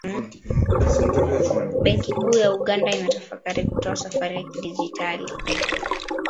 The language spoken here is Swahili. Benki kuu ya Uganda inatafakari kutoa sarafu ya kidigitali, na haijapiga marufuku sarafu ya kimtandao ya Krypto